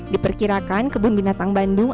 diperkirakan kebun binatang bandung